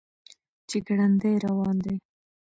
چې ګړندی روان دی.